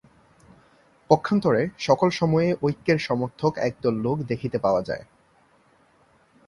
পক্ষান্তরে সকল সময়েই ঐক্যের সমর্থক একদল লোক দেখিতে পাওয়া যায়।